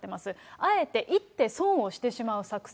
あえて一手損をしてしまう作戦。